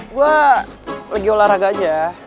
gua lagi olahraga aja